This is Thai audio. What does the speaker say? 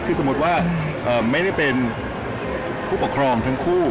คือสมมุติว่าไม่ได้เป็นผู้ปกครองทั้งคู่